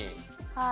はい。